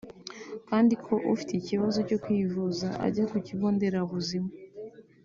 kandi ko ufite ikibazo cyo kwivuza ajya ku kigo nderabuzima